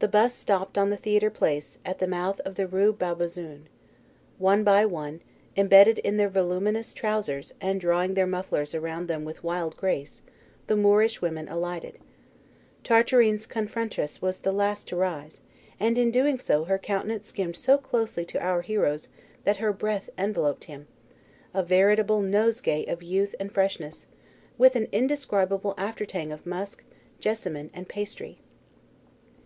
The 'bus stopped on the Theatre place, at the mouth of the Rue Bab Azoon. One by one, embedded in their voluminous trousers, and drawing their mufflers around them with wild grace, the Moorish women alighted. Tartarin's confrontatress was the last to rise, and in doing so her countenance skimmed so closely to our hero's that her breath enveloped him a veritable nosegay of youth and freshness, with an indescribable after tang of musk, jessamine, and pastry.